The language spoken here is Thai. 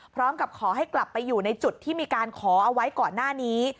พร้อมกับขอให้กลับไปอยู่ในจุดที่มีการขอเอาไว้ก่อนหน้านี้